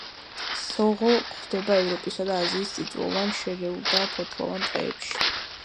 სოღო გვხვდება ევროპისა და აზიის წიწვოვან, შერეულ და ფოთლოვან ტყეებში.